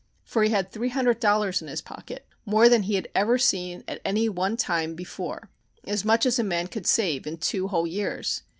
For he had three hundred dollars in his pocket, more than he had ever seen at any one time before as much as a man could save in two whole years.